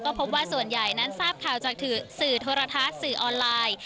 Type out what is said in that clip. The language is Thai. พบว่าส่วนใหญ่นั้นทราบข่าวจากสื่อโทรทัศน์สื่อออนไลน์